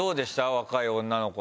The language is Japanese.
若い女の子ねえ。